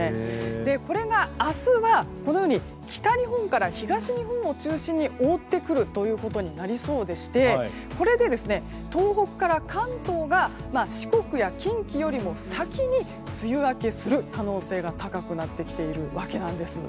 これが明日は北日本から東日本を中心に覆ってくるということになりそうでしてこれで東北から関東が四国や近畿よりも先に梅雨明けする可能性が高くなってきているわけなんです。